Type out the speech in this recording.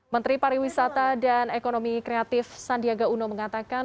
menteri pariwisata dan ekonomi kreatif sandiaga uno mengatakan